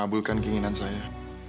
saya ingin mengabulkan keinginan saya